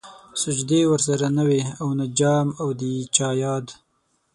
سجدې ورسره نه وې او نه جام او د چا ياد